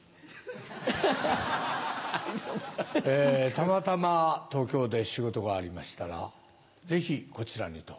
たまたま東京で仕事がありましたらぜひこちらにと。